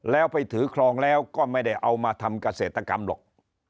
แล้วไปถือครองแล้วก็ไม่ได้เอามาทำเกษตรกรรมหรอก